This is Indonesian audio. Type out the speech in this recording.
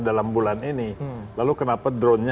dalam bulan ini lalu kenapa drone nya